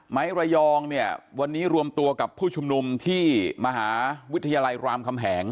ระยองเนี่ยวันนี้รวมตัวกับผู้ชุมนุมที่มหาวิทยาลัยรามคำแหง